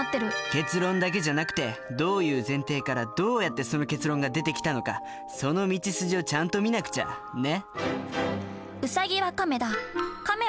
結論だけじゃなくてどういう前提からどうやってその結論が出てきたのかその道筋をちゃんと見なくちゃ。ね？